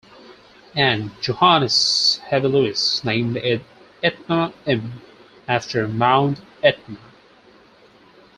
And Johannes Hevelius named it 'Etna M.' after Mount Etna.